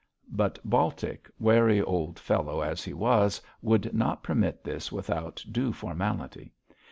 But Baltic, wary old fellow as he was, would not permit this without due formality.